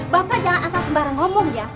bapak jangan asal sembarang ngomong ya